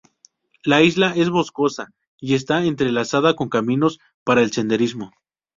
La isla es boscosa y está entrelazada con caminos para el senderismo.